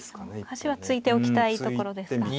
端は突いておきたいところですか。